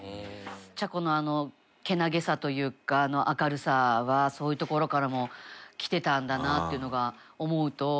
茶子のあの健気さというか明るさはそういうところからもきてたんだなっていうのが思うと。